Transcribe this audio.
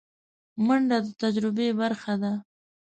منډه د تجربې برخه ده